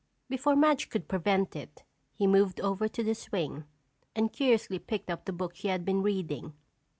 Before Madge could prevent it, he moved over to the swing and curiously picked up the book she had been reading.